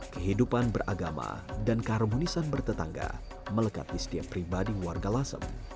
kehidupan beragama dan keharmonisan bertetangga melekati setiap pribadi warga lasem